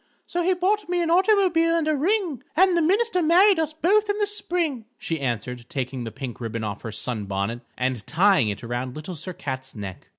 So he bought me an automobile and a ring, And the minister married us both in the spring,_" she answered, taking the pink ribbon off her sun bonnet and tying it around Little Sir Cat's neck.